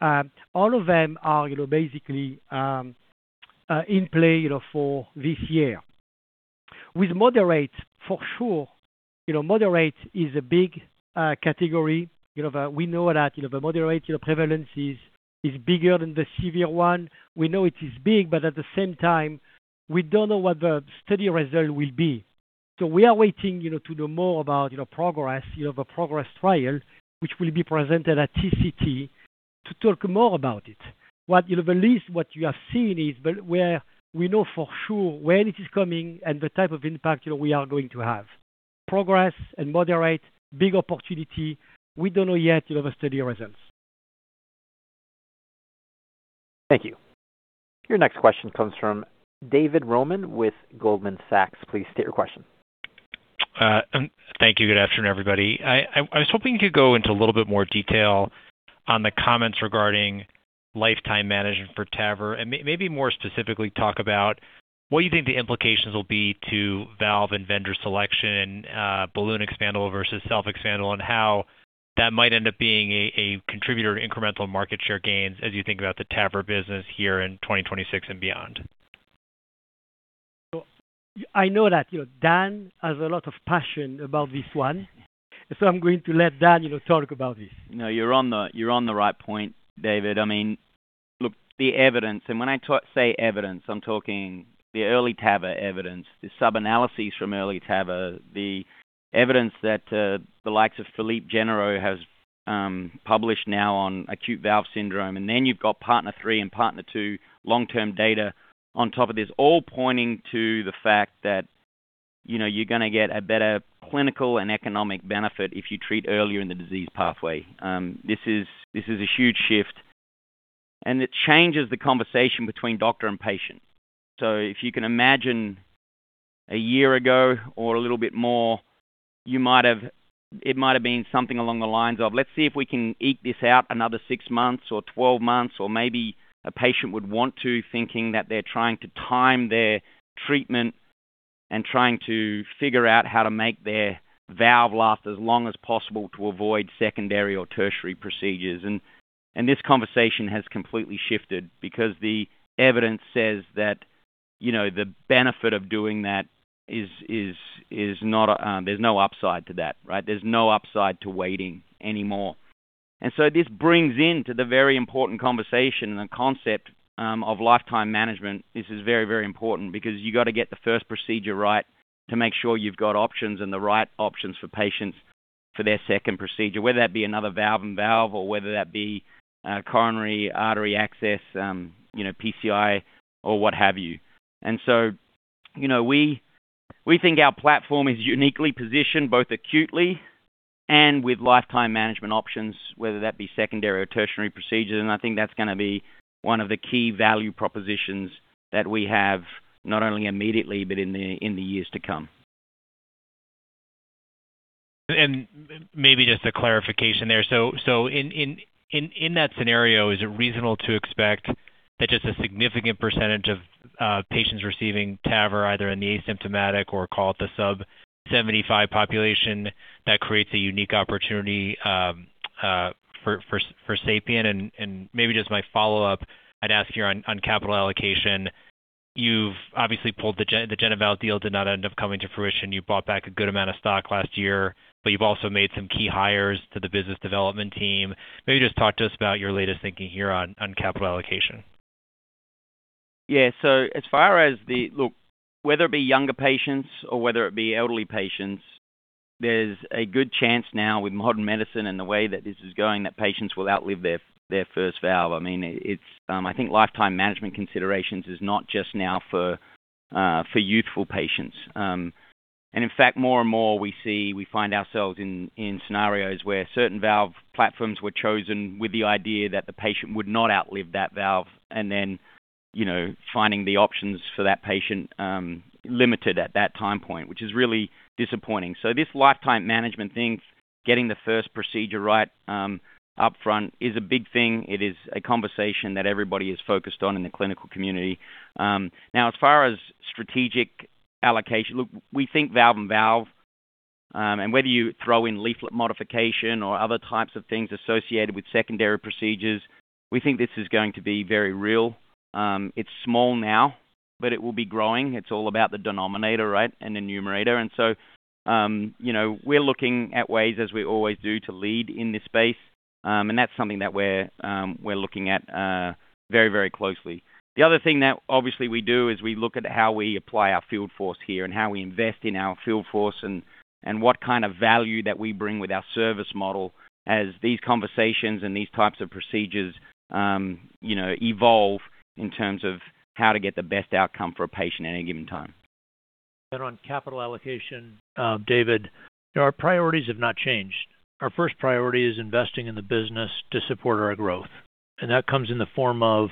All of them are basically in play for this year. With moderate, for sure, moderate is a big category. We know that the moderate prevalence is bigger than the severe one. We know it is big, but at the same time, we don't know what the study result will be. So we are waiting to know more about PROGRESS, the PROGRESS trial, which will be presented at TCT to talk more about it. At least what you have seen is where we know for sure when it is coming and the type of impact we are going to have. PROGRESS and moderate, big opportunity. We don't know yet the study results. Thank you. Your next question comes from David Roman with Goldman Sachs. Please state your question. Thank you. Good afternoon, everybody. I was hoping to go into a little bit more detail on the comments regarding lifetime management for TAVR and maybe more specifically talk about what you think the implications will be to valve and vendor selection and balloon expandable versus self-expandable and how that might end up being a contributor to incremental market share gains as you think about the TAVR business here in 2026 and beyond. So I know that Dan has a lot of passion about this one. So I'm going to let Dan talk about this. No, you're on the right point, David. I mean, look, the evidence and when I say evidence, I'm talking the EARLY TAVR evidence, the sub-analyses from EARLY TAVR, the evidence that the likes of Philippe Genereux has published now on acute valve syndrome. And then you've got PARTNER 3 and PARTNER 2 long-term data on top of this all pointing to the fact that you're going to get a better clinical and economic benefit if you treat earlier in the disease pathway. This is a huge shift. And it changes the conversation between doctor and patient. So if you can imagine a year ago or a little bit more, it might have been something along the lines of, "Let's see if we can eke this out another six months or 12 months," or maybe a patient would want to thinking that they're trying to time their treatment and trying to figure out how to make their valve last as long as possible to avoid secondary or tertiary procedures. And this conversation has completely shifted because the evidence says that the benefit of doing that is not there's no upside to that, right? There's no upside to waiting anymore. And so this brings into the very important conversation and the concept of Lifetime Management. This is very, very important because you got to get the first procedure right to make sure you've got options and the right options for patients for their second procedure, whether that be another valve-in-valve or whether that be coronary artery access, PCI, or what have you. And so we think our platform is uniquely positioned both acutely and with Lifetime Management options, whether that be secondary or tertiary procedures. And I think that's going to be one of the key value propositions that we have not only immediately but in the years to come. And maybe just a clarification there. So in that scenario, is it reasonable to expect that just a significant percentage of patients receiving TAVR, either in the asymptomatic or call it the sub-75 population, that creates a unique opportunity for SAPIEN? And maybe just my follow-up, I'd ask here on capital allocation. You've obviously pulled the JenaValve deal did not end up coming to fruition. You bought back a good amount of stock last year, but you've also made some key hires to the business development team. Maybe just talk to us about your latest thinking here on capital allocation. Yeah, so as far as the look, whether it be younger patients or whether it be elderly patients, there's a good chance now with modern medicine and the way that this is going that patients will outlive their first valve. I mean, I think lifetime management considerations is not just now for youthful patients. In fact, more and more, we find ourselves in scenarios where certain valve platforms were chosen with the idea that the patient would not outlive that valve and then finding the options for that patient limited at that time point, which is really disappointing. This Lifetime Management thing, getting the first procedure right upfront, is a big thing. It is a conversation that everybody is focused on in the clinical community. Now, as far as strategic allocation, look, we think valve-in-valve and whether you throw in leaflet modification or other types of things associated with secondary procedures, we think this is going to be very real. It's small now, but it will be growing. It's all about the denominator, right, and numerator. So we're looking at ways, as we always do, to lead in this space. That's something that we're looking at very, very closely. The other thing that, obviously, we do is we look at how we apply our field force here and how we invest in our field force and what kind of value that we bring with our service model as these conversations and these types of procedures evolve in terms of how to get the best outcome for a patient at any given time. On capital allocation, David, our priorities have not changed. Our first priority is investing in the business to support our growth. That comes in the form of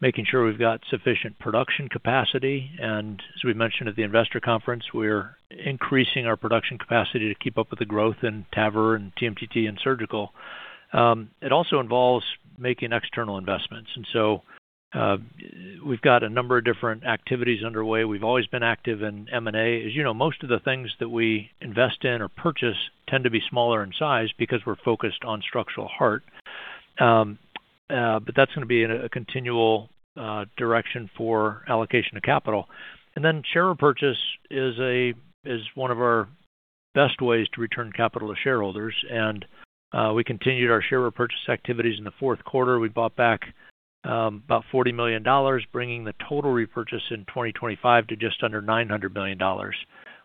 making sure we've got sufficient production capacity. As we mentioned at the investor conference, we're increasing our production capacity to keep up with the growth in TAVR and TMTT and Surgical. It also involves making external investments. So we've got a number of different activities underway. We've always been active in M&A. As you know, most of the things that we invest in or purchase tend to be smaller in size because we're focused on Structural Heart. But that's going to be a continual direction for allocation of capital. And then share repurchase is one of our best ways to return capital to shareholders. And we continued our share repurchase activities in the fourth quarter. We bought back about $40 million, bringing the total repurchase in 2025 to just under $900 million.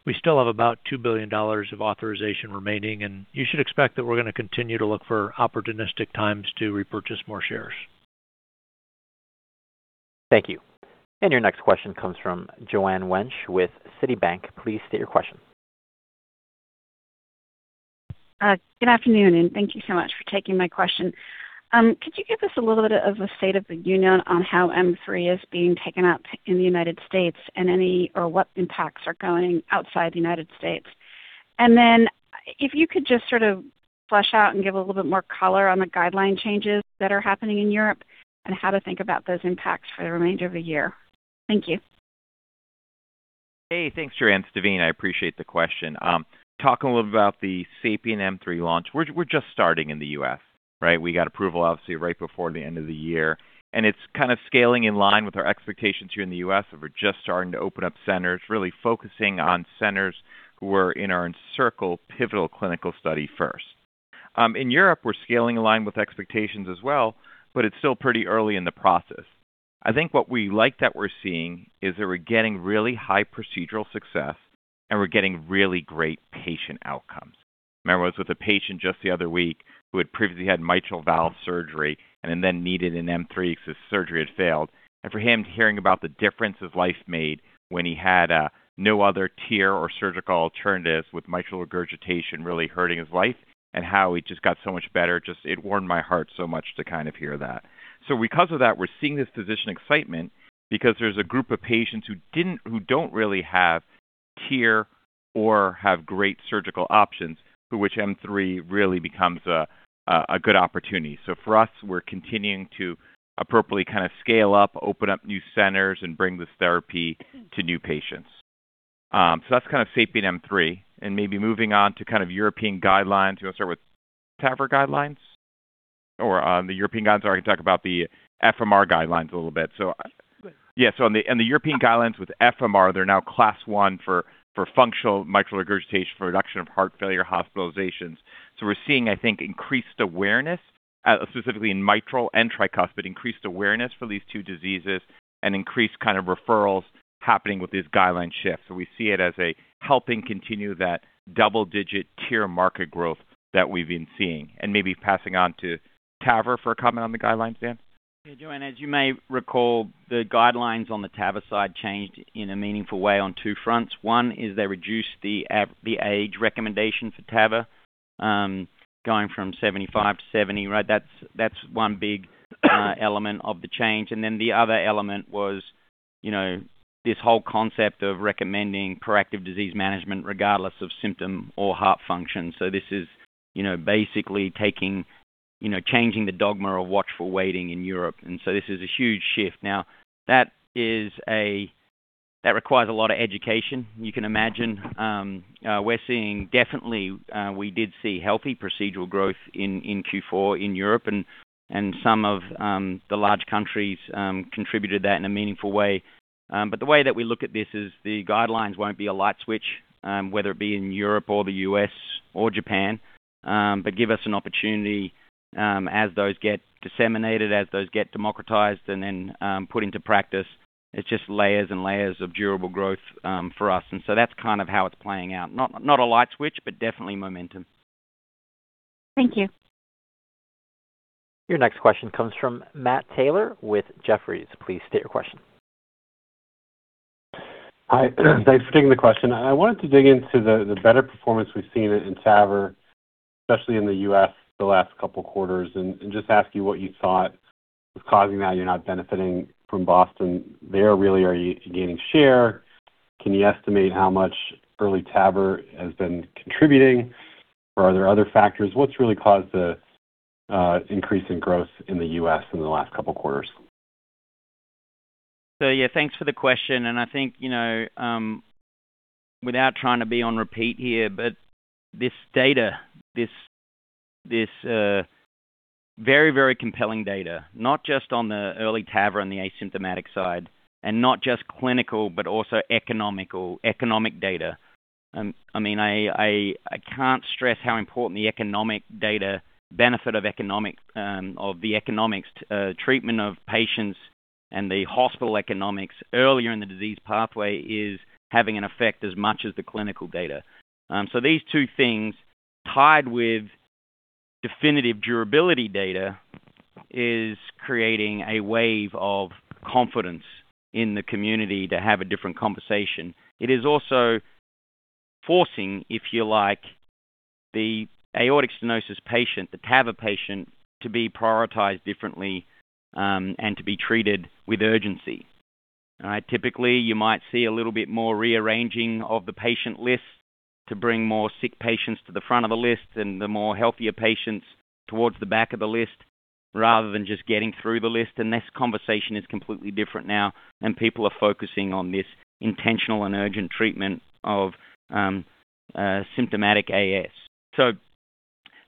We still have about $2 billion of authorization remaining. And you should expect that we're going to continue to look for opportunistic times to repurchase more shares. Thank you. And your next question comes from Joanne Wuensch with Citibank. Please state your question. Good afternoon, and thank you so much for taking my question. Could you give us a little bit of a state of the union on how M3 is being taken up in the United States and what impacts are going outside the United States? And then if you could just sort of flesh out and give a little bit more color on the guideline changes that are happening in Europe and how to think about those impacts for the remainder of the year. Thank you. Hey, thanks, Joanne. Its Daveen, I appreciate the question. Talking a little bit about the SAPIEN M3 launch, we're just starting in the U.S., right? We got approval, obviously, right before the end of the year. And it's kind of scaling in line with our expectations here in the U.S. of we're just starting to open up centers. Really focusing on centers who are in our ENCIRCLE pivotal clinical study first. In Europe, we're scaling in line with expectations as well, but it's still pretty early in the process. I think what we like that we're seeing is that we're getting really high procedural success, and we're getting really great patient outcomes. I remember I was with a patient just the other week who had previously had mitral valve surgery and then needed an M3 because his surgery had failed. And for him, hearing about the difference his life made when he had no other TEER or surgical alternatives with mitral regurgitation really hurting his life and how he just got so much better, it warmed my heart so much to kind of hear that. So because of that, we're seeing this physician excitement because there's a group of patients who don't really have TEER or have great surgical options for which M3 really becomes a good opportunity. So for us, we're continuing to appropriately kind of scale up, open up new centers, and bring this therapy to new patients. So that's kind of SAPIEN M3. And maybe moving on to kind of European guidelines, do you want to start with TAVR guidelines? Or the European guidelines, or I can talk about the FMR guidelines a little bit. So yeah, so on the European guidelines with FMR, they're now class one for functional mitral regurgitation for reduction of heart failure hospitalizations. So we're seeing, I think, increased awareness specifically in mitral and tricuspid, increased awareness for these two diseases and increased kind of referrals happening with these guideline shifts. So we see it as helping continue that double-digit TAVR market growth that we've been seeing. And maybe passing on to TAVR for a comment on the guidelines, Dan? Yeah, Joanne, as you may recall, the guidelines on the TAVR side changed in a meaningful way on two fronts. One is they reduced the age recommendation for TAVR going from 75 to 70, right? That's one big element of the change. And then the other element was this whole concept of recommending proactive disease management regardless of symptom or heart function. So this is basically changing the dogma of watchful waiting in Europe. And so this is a huge shift. Now, that requires a lot of education, you can imagine. We're seeing definitely, we did see healthy procedural growth in Q4 in Europe, and some of the large countries contributed that in a meaningful way. But the way that we look at this is the guidelines won't be a light switch, whether it be in Europe or the U.S. or Japan, but give us an opportunity as those get disseminated, as those get democratized, and then put into practice. It's just layers and layers of durable growth for us. And so that's kind of how it's playing out. Not a light switch, but definitely momentum. Thank you. Your next question comes from Matt Taylor with Jefferies. Please state your question. Hi, thanks for taking the question. I wanted to dig into the better performance we've seen in TAVR, especially in the U.S. the last couple of quarters, and just ask you what you thought was causing that. You're not benefiting from Boston. Are you really gaining share? Can you estimate how much EARLY TAVR has been contributing? Or are there other factors? What's really caused the increase in growth in the U.S. in the last couple of quarters? So yeah, thanks for the question. And I think without trying to be on repeat here, but this data, this very, very compelling data, not just on the EARLY TAVR and the asymptomatic side and not just clinical, but also economic data. I mean, I can't stress how important the economic data, benefit of the economics, treatment of patients, and the hospital economics earlier in the disease pathway is having an effect as much as the clinical data. So these two things tied with definitive durability data is creating a wave of confidence in the community to have a different conversation. It is also forcing, if you like, the aortic stenosis patient, the TAVR patient, to be prioritized differently and to be treated with urgency, right? Typically, you might see a little bit more rearranging of the patient list to bring more sick patients to the front of the list and the more healthier patients towards the back of the list rather than just getting through the list. And this conversation is completely different now, and people are focusing on this intentional and urgent treatment of symptomatic AS. So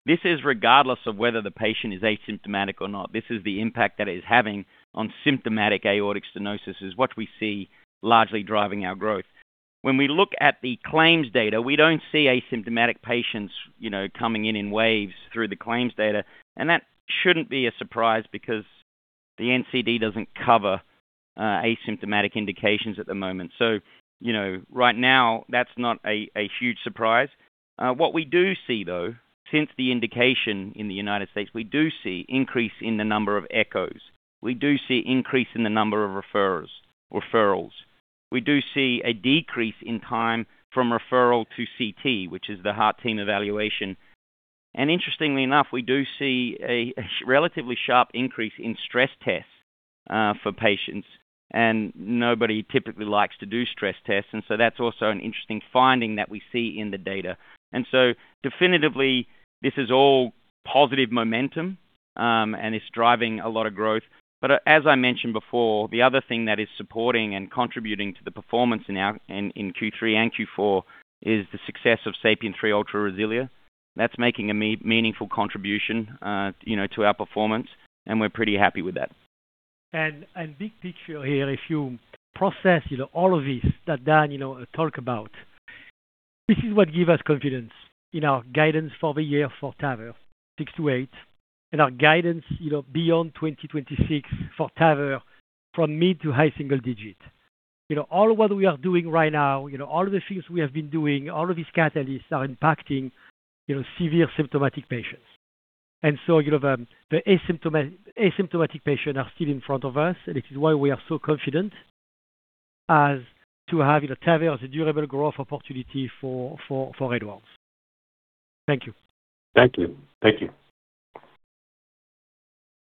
this is regardless of whether the patient is asymptomatic or not. This is the impact that it is having on symptomatic aortic stenosis is what we see largely driving our growth. When we look at the claims data, we don't see asymptomatic patients coming in in waves through the claims data. And that shouldn't be a surprise because the NCD doesn't cover asymptomatic indications at the moment. So right now, that's not a huge surprise. What we do see, though, since the indication in the United States, we do see increase in the number of echos. We do see increase in the number of referrals. We do see a decrease in time from referral to CT, which is the heart team evaluation. And interestingly enough, we do see a relatively sharp increase in stress tests for patients. And nobody typically likes to do stress tests. And so that's also an interesting finding that we see in the data. And so definitively, this is all positive momentum, and it's driving a lot of growth. But as I mentioned before, the other thing that is supporting and contributing to the performance in Q3 and Q4 is the success of SAPIEN 3 Ultra RESILIA. That's making a meaningful contribution to our performance, and we're pretty happy with that. Big picture here, if you process all of this that Dan talked about, this is what gives us confidence in our guidance for the year for TAVR, 2026 to 2028 and our guidance beyond 2026 for TAVR from mid- to high-single-digit. All what we are doing right now, all the things we have been doing, all of these catalysts are impacting severe symptomatic patients. And so the asymptomatic patients are still in front of us, and this is why we are so confident as to have TAVR as a durable growth opportunity for Edwards. Thank you. Thank you. Thank you.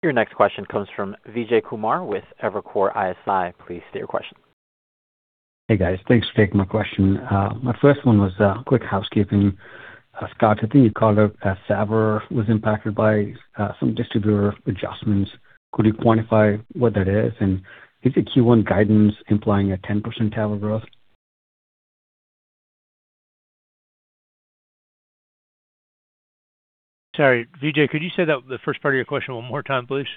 Your next question comes from Vijay Kumar with Evercore ISI. Please state your question. Hey, guys. Thanks for taking my question. My first one was a quick housekeeping ask. I think you called it that TAVR was impacted by some distributor adjustments. Could you quantify what that is? And is the Q1 guidance implying a 10% TAVR growth? Sorry, Vijay, could you say the first part of your question one more time, please?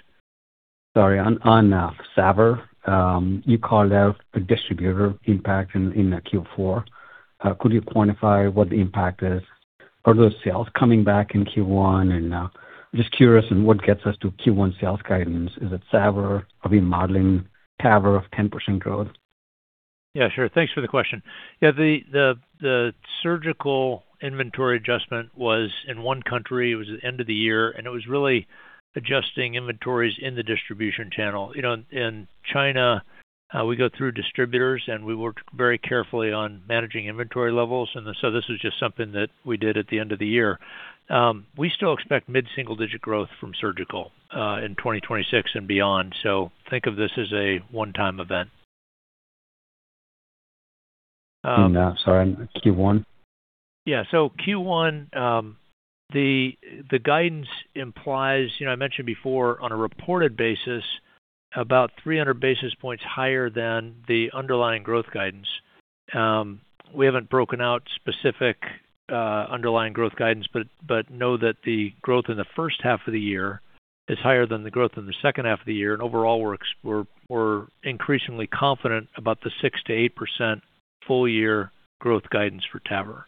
Sorry. On TAVR, you called out a distributor impact in Q4. Could you quantify what the impact is? Are those sales coming back in Q1? And I'm just curious on what gets us to Q1 sales guidance. Is it TAVR or remodeling TAVR to 10% growth? Yeah, sure. Thanks for the question. Yeah, the surgical inventory adjustment was in one country. It was at the end of the year, and it was really adjusting inventories in the distribution channel. In China, we go through distributors, and we work very carefully on managing inventory levels. And so this is just something that we did at the end of the year. We still expect mid-single-digit growth from surgical in 2026 and beyond. So think of this as a one-time event. Sorry, Q1? Yeah, so Q1, the guidance implies, I mentioned before, on a reported basis, about 300 basis points higher than the underlying growth guidance. We haven't broken out specific underlying growth guidance, but know that the growth in the first half of the year is higher than the growth in the second half of the year. And overall, we're increasingly confident about the 6%-8% full-year growth guidance for TAVR.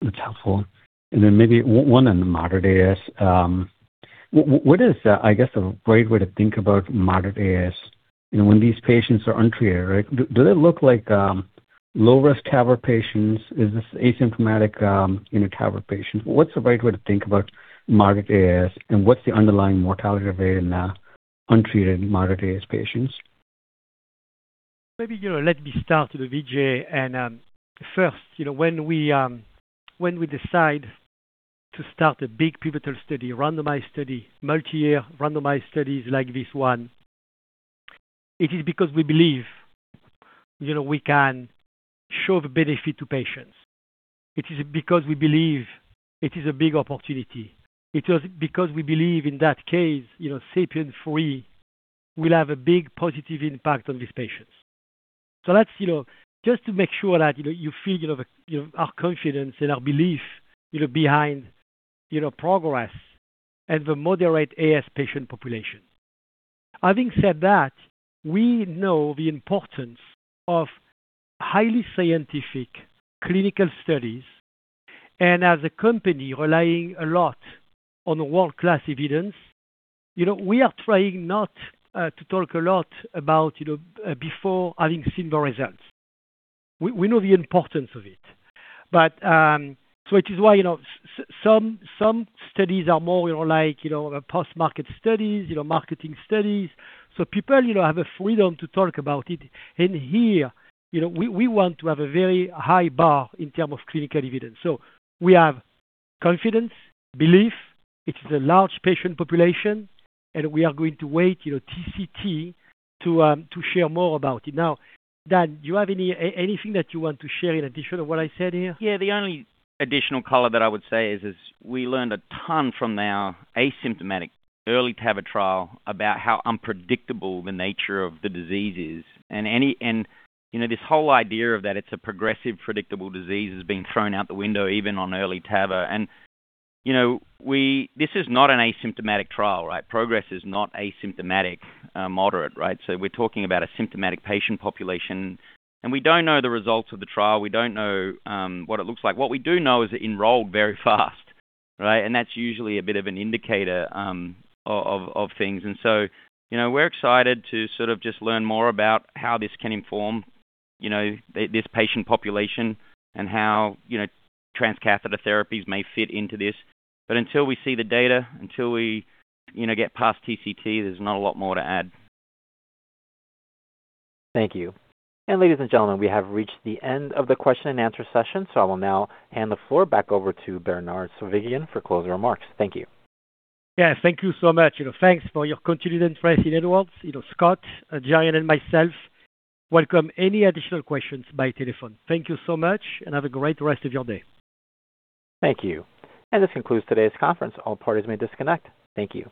That's helpful. And then maybe one on the moderate AS. What is, I guess, a great way to think about moderate AS when these patients are untreated, right? Do they look like low-risk TAVR patients? Is this asymptomatic TAVR patients? What's the right way to think about moderate AS, and what's the underlying mortality rate in untreated moderate AS patients? Maybe let me start to the Vijay. First, when we decide to start a big pivotal study, randomized study, multi-year randomized studies like this one, it is because we believe we can show the benefit to patients. It is because we believe it is a big opportunity. It is because we believe in that case, SAPIEN 3 will have a big positive impact on these patients. So that's just to make sure that you feel our confidence and our belief behind PROGRESS and the moderate AS patient population. Having said that, we know the importance of highly scientific clinical studies. As a company relying a lot on world-class evidence, we are trying not to talk a lot about before having seen the results. We know the importance of it. So it is why some studies are more like post-market studies, marketing studies. So people have a freedom to talk about it. And here, we want to have a very high bar in terms of clinical evidence. So we have confidence, belief. It is a large patient population, and we are going to wait TCT to share more about it. Now, Dan, do you have anything that you want to share in addition to what I said here? Yeah, the only additional color that I would say is we learned a ton from our asymptomatic EARLY TAVR trial about how unpredictable the nature of the disease is. And this whole idea of that it's a progressive, predictable disease has been thrown out the window, even on EARLY TAVR. And this is not an asymptomatic trial, right? PROGRESS is not asymptomatic moderate, right? So we're talking about an asymptomatic patient population. And we don't know the results of the trial. We don't know what it looks like. What we do know is it enrolled very fast, right? And that's usually a bit of an indicator of things. And so we're excited to sort of just learn more about how this can inform this patient population and how transcatheter therapies may fit into this. But until we see the data, until we get past TCT, there's not a lot more to add. Thank you. And ladies and gentlemen, we have reached the end of the question-and-answer session. So I will now hand the floor back over to Bernard Zovighian for closing remarks. Thank you. Yeah, thank you so much. Thanks for your continued interest in Edwards. Scott, Gerianne, and myself welcome any additional questions by telephone. Thank you so much, and have a great rest of your day. Thank you. This concludes today's conference. All parties may disconnect. Thank you.